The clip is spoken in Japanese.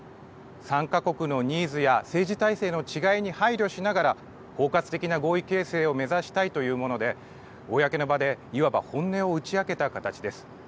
参加国のニーズや政治体制の違いに配慮しながら包括的な合意形成を目指したいというもので公の場で、いわば本音を打ち明けた形です。